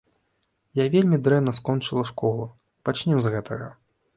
Я вельмі дрэнна скончыла школу, пачнём з гэтага.